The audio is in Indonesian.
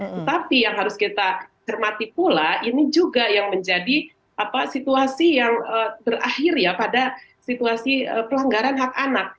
tetapi yang harus kita cermati pula ini juga yang menjadi situasi yang berakhir ya pada situasi pelanggaran hak anak